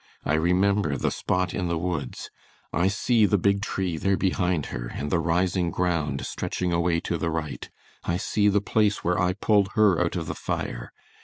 I remember the spot in the woods; I see the big tree there behind her and the rising ground stretching away to the right. I see the place where I pulled her out of the fire.